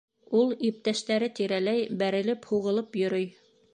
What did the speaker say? Ул иптәштәре тирәләй бәрелеп-һуғылып йөрөй: